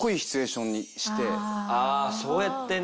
そうやってね。